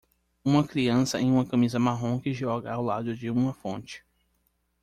Uma criança em uma camisa marrom que joga ao lado de uma fonte.